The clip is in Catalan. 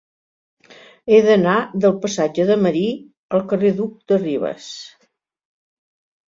He d'anar del passatge de Marí al carrer del Duc de Rivas.